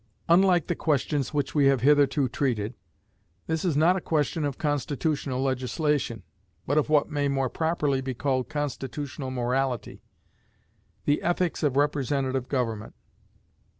Unlike the questions which we have hitherto treated, this is not a question of constitutional legislation, but of what may more properly be called constitutional morality the ethics of representative government.